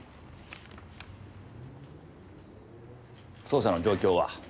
捜査の状況は？